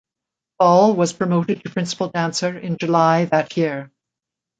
Ball was promoted to principal dancer in July that year.